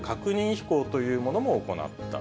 飛行というものも行った。